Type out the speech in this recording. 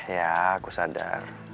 ya aku sadar